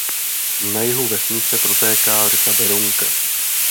Na jihu vesnice protéká řeka Berounka.